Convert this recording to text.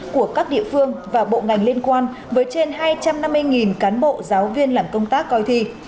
của các địa phương và bộ ngành liên quan với trên hai trăm năm mươi cán bộ giáo viên làm công tác coi thi